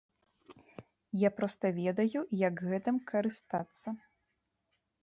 Я проста ведаю, як гэтым карыстацца.